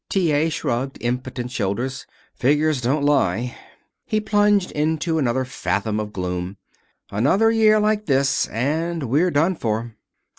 T. A. shrugged impotent shoulders. "Figures don't lie." He plunged into another fathom of gloom. "Another year like this and we're done for."